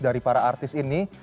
dari para artis ini